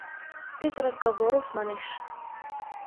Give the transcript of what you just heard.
— Без разговоров, — манеш.